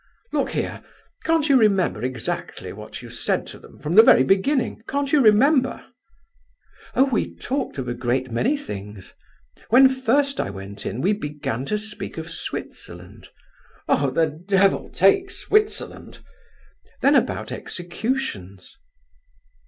Look here, can't you remember exactly what you said to them, from the very beginning? Can't you remember?" "Oh, we talked of a great many things. When first I went in we began to speak of Switzerland." "Oh, the devil take Switzerland!" "Then about executions."